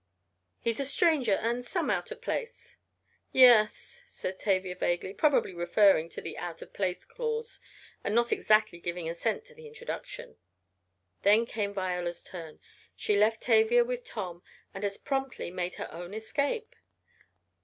"He's a stranger and some out of place." "Yes," said Tavia vaguely, probably referring to the "out of place" clause, and not exactly giving assent to the introduction. Then came Viola's turn she left Tavia with Tom and as promptly made her own escape!